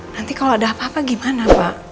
nanti kalau ada apa apa gimana pak